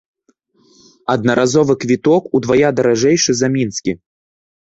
Аднаразовы квіток удвая даражэйшы за мінскі.